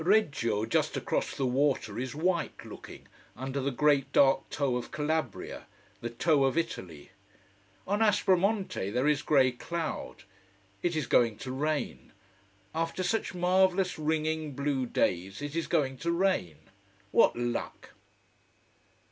Reggio, just across the water, is white looking, under the great dark toe of Calabria, the toe of Italy. On Aspromonte there is grey cloud. It is going to rain. After such marvelous ringing blue days, it is going to rain. What luck!